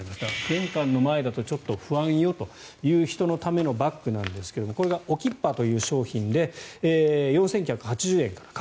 玄関の前だとちょっと不安よという人のためのバッグなんですがこれがＯＫＩＰＰＡという商品で価格４９８０円から。